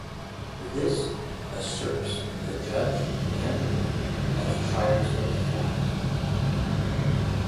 This usurps the judge (and jury) as triers of fact.